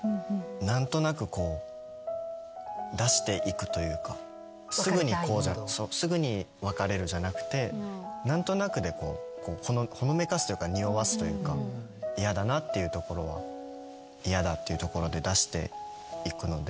何となくこう出していくというかすぐに別れるじゃなくて何となくでこうほのめかすというかにおわすというか嫌だなっていうところは嫌だっていうところで出していくので。